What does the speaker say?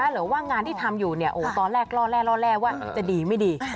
หรือว่างานที่ทำอยู่ตอนแรกล่อแร่ว่าจะดีไม่ดี